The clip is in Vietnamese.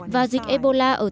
và dịch ép